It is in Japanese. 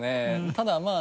ただまあ